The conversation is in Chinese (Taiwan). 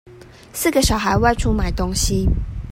四個小孩外出買東西